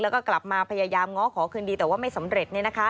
แล้วก็กลับมาพยายามง้อขอคืนดีแต่ว่าไม่สำเร็จ